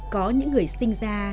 có những người sinh ra